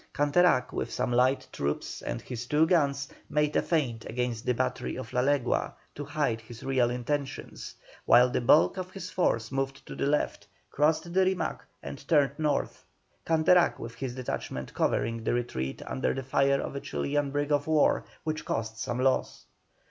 Canterac, with some light troops and his two guns, made a feint against the battery of La Legua to hide his real intention, while the bulk of his force moved to the left, crossed the Rimac, and turned north, Canterac, with his detachment, covering the retreat under the fire of a Chilian brig of war, which caused some loss.